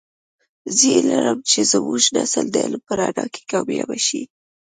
زه هیله لرم چې زمونږنسل د علم په رڼا کې کامیابه شي